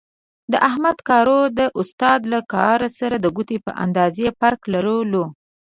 د احمد کارو د استاد له کار سره د ګوتې په اندازې فرق لرلو.